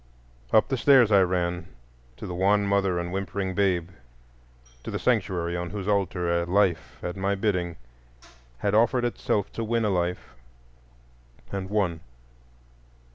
Up the stairs I ran to the wan mother and whimpering babe, to the sanctuary on whose altar a life at my bidding had offered itself to win a life, and won.